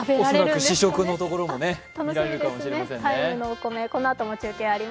恐らく試食のところも見られるかもしれませんね。